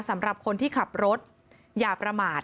สำหรับคนที่ขับรถอย่าประมาท